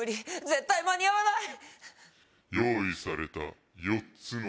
絶対間に合わない！